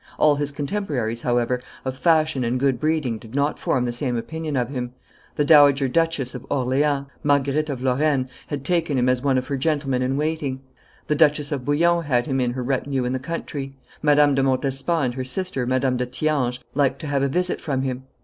All his contemporaries, however, of fashion and good breeding did not form the same opinion of him. The Dowager duchess of Orleans, Marguerite of Lorraine, had taken him as one of her gentlemen in waiting; the Duchess of Bouillon had him in her retinue in the country; Madame de Montespan and her sister, Madame de Thianges, liked to have a visit from him.